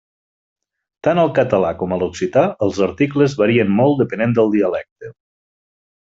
Tant al català com a l'occità, els articles varien molt depenent del dialecte.